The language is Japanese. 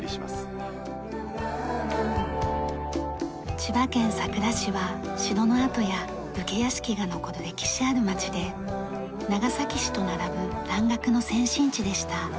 千葉県佐倉市は城の跡や武家屋敷が残る歴史ある町で長崎市と並ぶ蘭学の先進地でした。